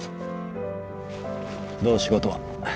どう仕事は？